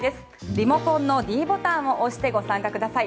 リモコンのｄボタンを押してご参加ください。